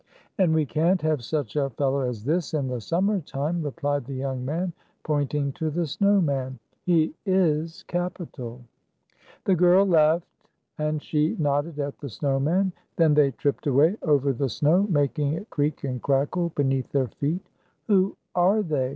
"And we can't have such a fellow as this in the summer time," replied the young man, point ing to the snow man. "He is capital." 205 206 The girl laughed, and she nodded at the snow man. Then they tripped away over the snow, making it creak and crackle beneath their feet. "Who are they?"